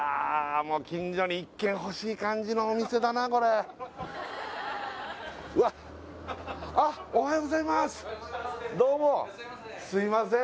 もう近所に１軒欲しい感じのお店だなこれうわっあっどうもすいません